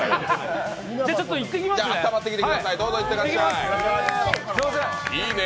じゃあ、ちょっと行ってきますね！